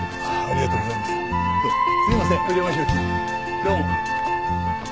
どうも。